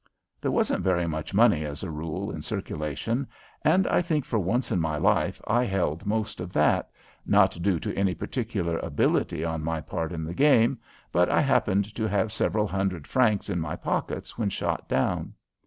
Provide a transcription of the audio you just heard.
There wasn't very much money, as a rule, in circulation, and I think for once in my life I held most of that, not due to any particular ability on my part in the game, but I happened to have several hundred francs in my pockets when shot down.